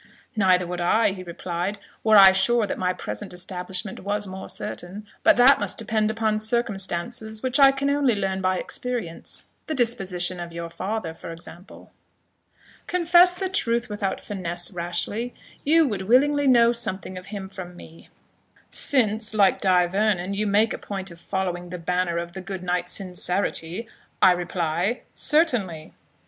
"Neither would I," he replied, "were I sure that my present establishment was more certain; but that must depend upon circumstances which I can only learn by experience the disposition of your father, for example." "Confess the truth without finesse, Rashleigh; you would willingly know something of him from me?" "Since, like Die Vernon, you make a point of following the banner of the good knight Sincerity, I reply certainly."